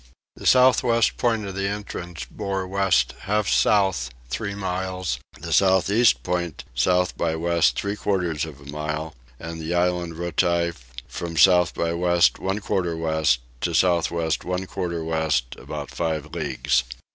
The south west point of the entrance bore west half south three miles; the south east point south by west three quarters of a mile; and the island Roti from south by west one quarter west to south west one quarter west about five leagues.